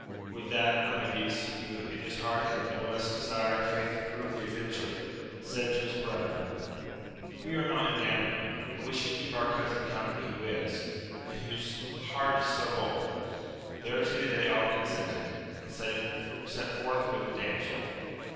With that, Amadis, who in his heart had no less desire and faith to prove the adventure, said to his brethren. We are not enamoured, but we should keep our cousin company who is, and whose heart is so bold. Thereto they all consented, and set forth with the damsel.